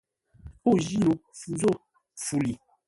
Ô jí no fu zô fu li.